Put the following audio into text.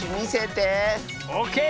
オーケー！